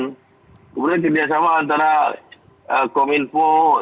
kemudian kerjasama antara kominfo